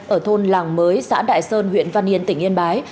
ở thôn làng mới xã đại sơn huyện văn yên tỉnh yên bái